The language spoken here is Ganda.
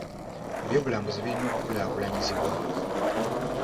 Ebyobulambuzi birina okukulaakulanyizibwa.